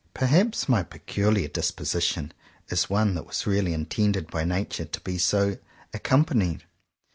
Perhaps my peculiar disposition is one that was really intended by nature to be so accompanied.